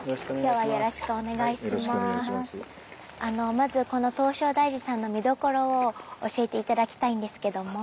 あのまずこの唐招提寺さんの見どころを教えて頂きたいんですけども。